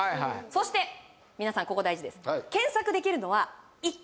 そして皆さんここ大事ですえっ？